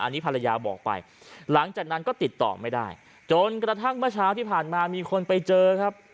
อันนี้ภรรยาบอกไปหลังจากนั้นก็ติดต่อไม่ได้จนกระทั่งเมื่อเช้าที่ผ่านมามีคนไปเจอครับ